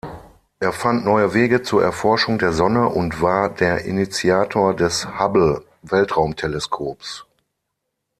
Er fand neue Wege zur Erforschung der Sonne und war der Initiator des Hubble-Weltraumteleskops.